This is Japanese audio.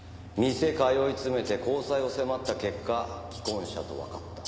店通い詰めて交際を迫った結果既婚者とわかった。